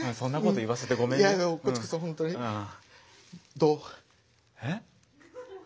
どう？